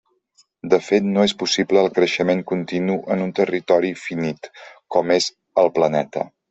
De fet, no és possible el creixement continu en un territori finit com és el planeta.